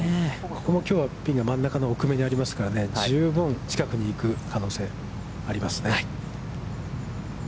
ここもきょうはピンが真ん中の奥めにありますからね、十分近くに行く可能性がありますね。